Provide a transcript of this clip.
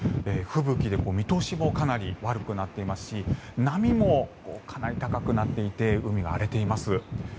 吹雪で見通しもかなり悪くなっていますし波もかなり高くなっていて海が荒れています。